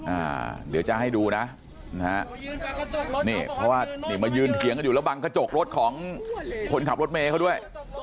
อ่าเดี๋ยวจะให้ดูนะนะฮะนี่เพราะว่านี่มายืนเถียงกันอยู่แล้วบังกระจกรถของคนขับรถเมย์เขาด้วย